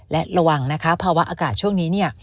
และระวังนะคะภาวะอากาศช่วงนี้เนี่ย